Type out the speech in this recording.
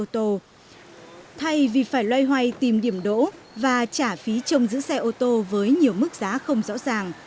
thay vì phải loay hoay tìm điểm đỗ và trả phí trong giữ xe ô tô với nhiều mức giá không rõ ràng